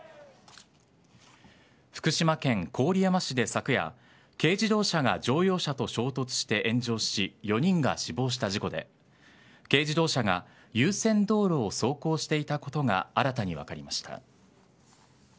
福島県郡山市で昨夜軽自動車が乗用車と衝突して炎上し４人が死亡した事故で軽自動車が優先道路を走行していたことが新たに分かりました。